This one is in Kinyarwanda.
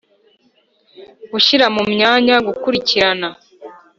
Gushyira mu myanya gukurikirana